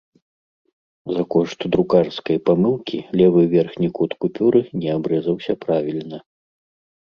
За кошт друкарскай памылкі левы верхні кут купюры не абрэзаўся правільна.